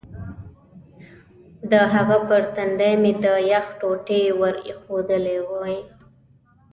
د هغه پر تندي مې د یخ ټوټې ور ایښودلې وې.